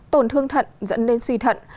tổn thương thận dẫn đến suy thận